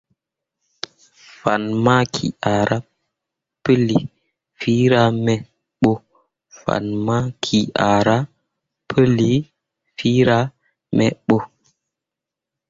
Fan maki ah ra pəli filra me ɓo.